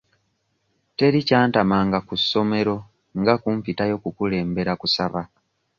Teri kyantamanga ku ssomero nga kumpitayo kukulembera kusaba.